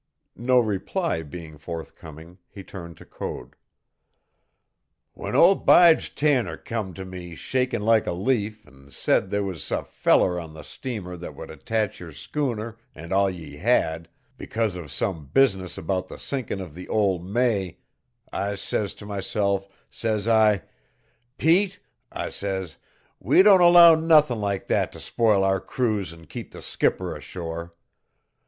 No reply being forthcoming, he turned to Code. "When ol' Bige Tanner come to me shakin' like a leaf an' said they was a feller on the steamer that would attach yer schooner an' all that ye had, because of some business about the sinkin' of the ol' May, I says to myself, sez I: "'Pete,' I sez, 'we don't allow nothin' like that to spoil our cruise an' keep the skipper ashore.'